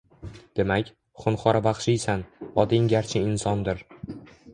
Demak, xunxor vaxshiysan, oting garchi Insondir!